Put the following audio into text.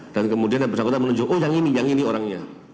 dan kemudian bersangkutan menunjuk oh yang ini yang ini orangnya